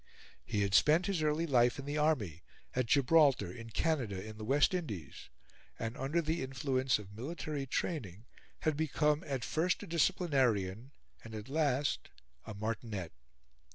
He had spent his early life in the army at Gibraltar, in Canada, in the West Indies and, under the influence of military training, had become at first a disciplinarian and at last a martinet.